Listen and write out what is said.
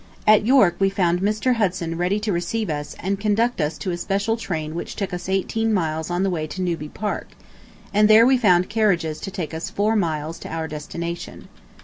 At York we found Mr. Hudson ready to receive us and conduct us to a special train which took us eighteen miles on the way to Newby Park, and there we found carriages to take us four miles to our destination.